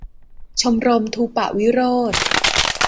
ชมรมธูปะวิโรจน์